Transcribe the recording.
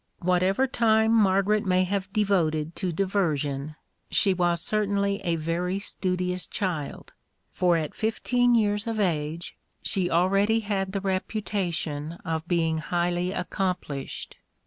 Whatever time Margaret may have devoted to diversion, she was certainly a very studious child, for at fifteen years of age she already had the reputation of being highly accomplished.